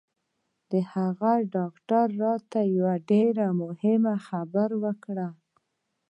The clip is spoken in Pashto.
د هغه ډاکتر راته یوه ډېره مهمه خبره وکړه